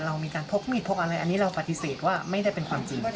เรามีการพกมีดพกอะไรอันนี้เราปฏิเสธว่าไม่ได้เป็นความจริง